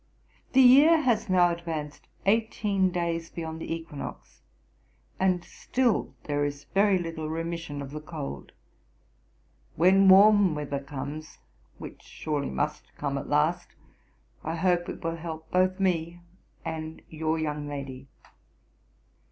The year has now advanced eighteen days beyond the equinox, and still there is very little remission of the cold. When warm weather comes, which surely must come at last, I hope it will help both me and your young lady.